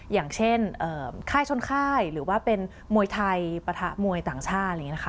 อย่างเช่นค่ายชนค่ายหรือว่าเป็นมวยไทยประถามวยต่างชาติ